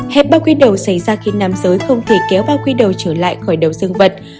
hẹp bao quy đầu xảy ra khi nam giới không thể kéo bao quy đầu trở lại khỏi đầu dương vật